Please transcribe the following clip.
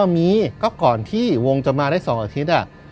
มีก็ก่อนที่วงจะมาได้๒อาทิตย์